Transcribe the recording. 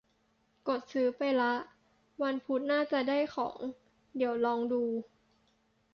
กดซื้อไปละ วันพุธน่าจะได้ของ เดี๋ยวลองดู